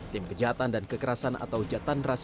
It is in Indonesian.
tim kejahatan dan kekerasan atau jatandras